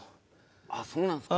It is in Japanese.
あっそうなんですか。